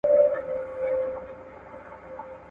لويي يوازي له خداى سره ښايي.